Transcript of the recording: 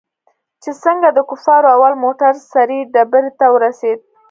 چې څنگه د کفارو اول موټر سرې ډبرې ته ورسېد.